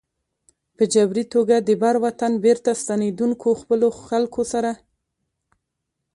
په جبري توګه د بر وطن بېرته ستنېدونکو خپلو خلکو سره.